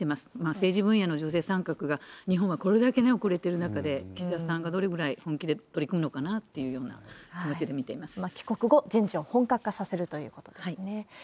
政治分野の女性参画が日本はこれだけ遅れてる中で、岸田さんがどれぐらい本気で取り組むのかなというような気持ちで帰国後、人事を本格化させるということですね。